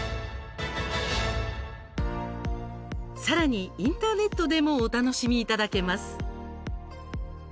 さらに、インターネットでもお楽しみいただけます。